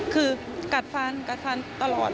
คือกัดฟันตลอด